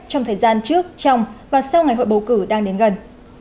trong thời gian trước trong và sau ngày hội bầu cử đang đến gần